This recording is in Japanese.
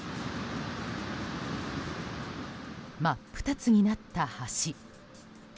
真っ二つになった橋。